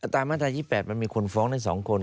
ตามมาทางที่๘มันมีคนฟ้องได้๒คน